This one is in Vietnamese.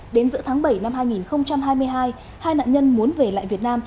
đến giữa tháng bảy năm hai nghìn hai mươi hai hai nạn nhân muốn về lại việt nam